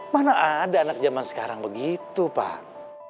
mana ada anak zaman sekarang begitu pak